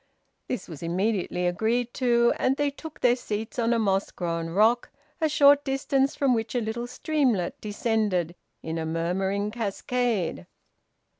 This was immediately agreed to, and they took their seats on a moss grown rock, a short distance from which a little streamlet descended in a murmuring cascade.